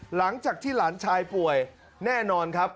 หลังจากที่หลานชายป่วยแน่นอนครับ